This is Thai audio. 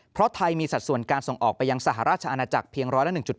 เพราะไทยมีสัดส่วนการส่งออกไปยังสหราชอาณาจักรเพียง๑๐๑๗